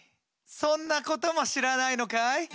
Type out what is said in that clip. そんなことも知らないのかい？